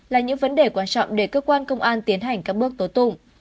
là những vấn đề quan trọng để cơ quan công an tiến hành các bước tố tụng